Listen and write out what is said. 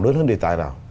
đớn hơn đề tài nào